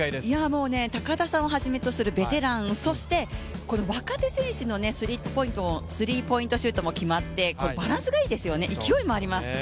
もう高田さんをはじめとするベテラン選手そして若手選手のスリーポイントシュートも決まってバランスがいいですよね勢いもあります。